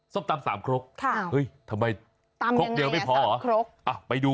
ส้มตำ๓คล็กทำไมคล็กเดียวไม่พอหรอ